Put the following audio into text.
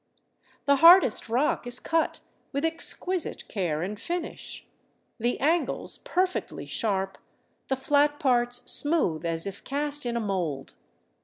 The hardest rock is cut with exquisite care and finish, the angles perfectly sharp, the flat parts smooth as if cast in a mould.